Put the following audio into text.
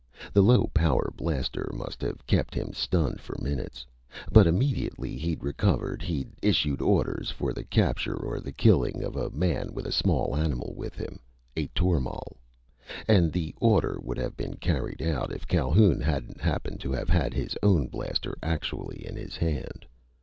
The low power blaster must have kept him stunned for minutes. But immediately he'd recovered he'd issued orders for the capture or the killing of a man with a small animal with him, a tormal. And the order would have been carried out if Calhoun hadn't happen to have his own blaster actually in his hand.